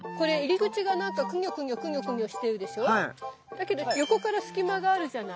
だけど横から隙間があるじゃない。